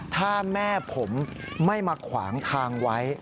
ถ้าแม่ผมไม่มาขวางทางไว้